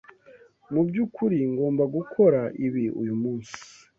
Mu byukuri ngomba gukora ibi uyu munsi.